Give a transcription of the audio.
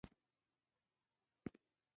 د کابل سیند د ځانګړي ډول جغرافیې استازیتوب کوي.